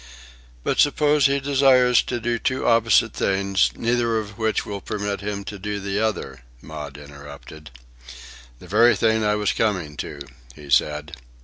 "But suppose he desires to do two opposite things, neither of which will permit him to do the other?" Maud interrupted. "The very thing I was coming to," he said.